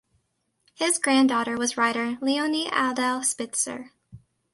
His granddaughter was writer Leonie Adele Spitzer.